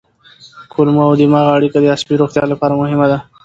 کولمو او دماغ اړیکه د عصبي روغتیا لپاره مهمه ده.